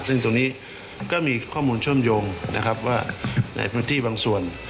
ซึ่งตรงนี้ก็มีข้อมูลเชื่อมโยงนะครับว่าในพื้นที่บางส่วน